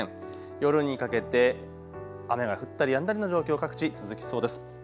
夜にかけて雨が降ったりやんだりの状況各地続きそうです。